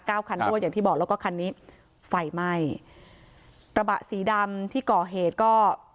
คันด้วยอย่างที่บอกแล้วก็คันนี้ไฟไหม้กระบะสีดำที่ก่อเหตุก็